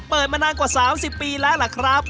เปิดมานานกว่า๓๐ปีแล้วล่ะครับ